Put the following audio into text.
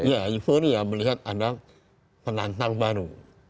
ya euforia melihat anda penantang baru